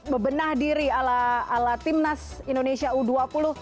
bebenah diri ala timnas indonesia u dua puluh